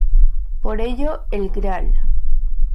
Por ello el Gral.